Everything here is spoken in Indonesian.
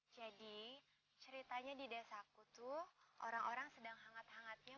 jadi ceritanya di desa putu orang orang sedang hangat hangatnya